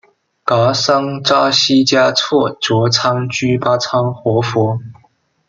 噶桑扎西嘉措卓仓居巴仓活佛。